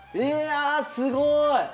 いやすごい！